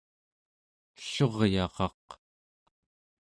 elluryaraq